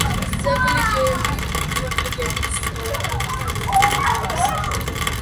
ძეგლი გეგმით სწორკუთხა მოხაზულობისაა.